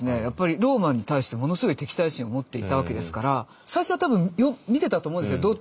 やっぱりローマに対してものすごい敵対心を持っていたわけですから最初は多分見てたと思うんですよ